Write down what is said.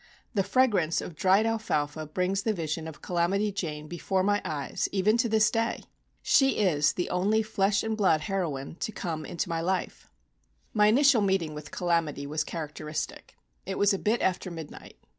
The fragrance of dried alfalfa brings the vision of "Calamity Jane" before my eyes even to this day. She is the only flesh and blood heroine to come into my life. My initial meeting with "Calamity" was characteristic. It was a bit after midnight.